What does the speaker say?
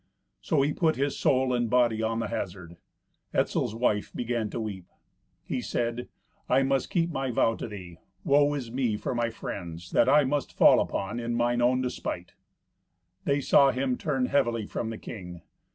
So he put his soul and body on the hazard. Etzel's wife began to weep. He said, "I must keep my vow to thee. Woe is me for my friends, that I must fall upon in mine own despite!" They saw him turn heavily from the king.